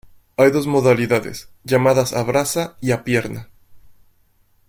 Hay dos modalidades, llamadas "a braza" y "a pierna".